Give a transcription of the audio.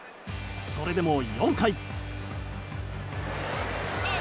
それでも４回。